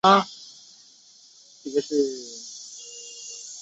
妻子赵曾玖则任职于贵州省科委。